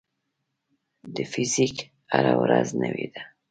د فزیک هره ورځ نوې ده.